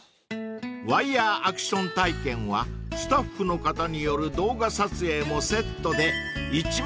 ［ワイヤーアクション体験はスタッフの方による動画撮影もセットで１６，５００円］